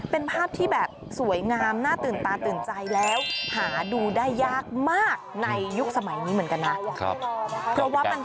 เป็นภาพที่แบบสวยงามน่าตื่นตาตื่นใจแล้วหาดูได้ยากมากในยุคสมัยนี้เหมือนกันนะ